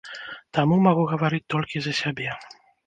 Таму магу гаварыць толькі за сябе.